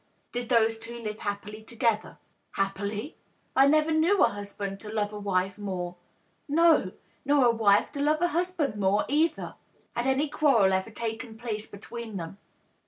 " Did those two live happily together ?"" Happily ! I never knew a husband to love a wife mcwre — no, nor a wife to love a husband more, either !" 1* Had any quarrel ever taken place between them